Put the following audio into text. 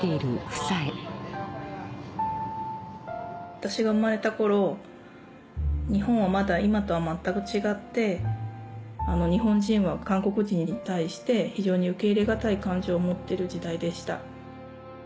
私が生まれた頃日本はまだ今とは全く違って日本人は韓国人に対して非常に受け入れがたい感情を持ってる時代でした。